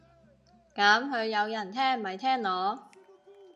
噉佢有人聽咪聽囉